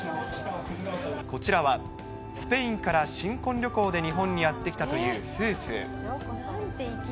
こちらはスペインから新婚旅行で日本にやって来たという夫婦。